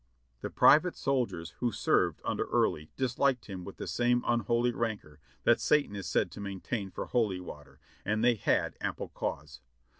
" The private Soldiers who served under Early disliked him with the same unholy rancor that Satan is said to maintain for holy water, and they had ample cause.